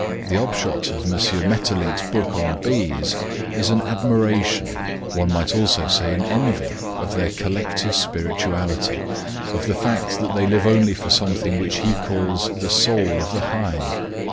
The upshot of M. Maeterlinck's book on bees is an admiration, one might also say an envy, of their collective spirituality; of the fact that they live only for something which he calls the Soul of the Hive.